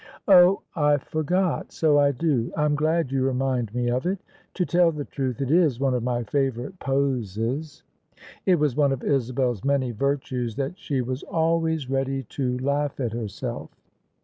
" Oh I I forgot: so I do. I'm glad you remind me of it. To tell the truth it is one of my favourite poses." It was one of Isabel's many virtues that she was always ready to THE SUBJECTION laugh at herself.